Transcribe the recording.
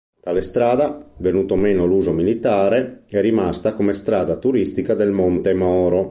Tale strada, venuto meno l'uso militare, è rimasta come strada turistica del Monte Moro.